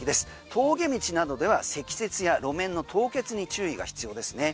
峠道などでは積雪や路面の凍結に注意が必要ですね。